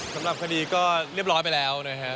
สำหรับคดีก็เรียบร้อยไปแล้วนะฮะ